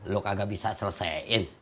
lu kagak bisa selesein